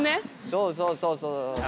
そうそうそうそう。